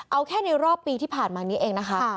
เอาแค่ในรอบปีที่ผ่านมานี้เองนะคะ